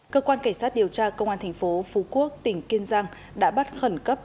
cơ quan cảnh sát điều tra công an thành phố phú quốc tỉnh kiên giang đã bắt khẩn cấp